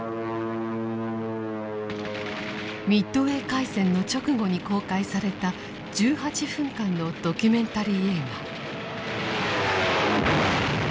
ミッドウェー海戦の直後に公開された１８分間のドキュメンタリー映画。